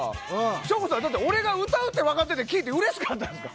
省吾さんは俺が歌うって分かって聴いてうれしかったですか？